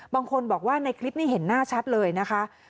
บางคนบอกว่าในคลิปนี้เห็นหน้าชัดเลยนะคะ